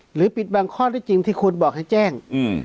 ปิดบางข้อได้จริงที่คุณบอกให้แจ้ง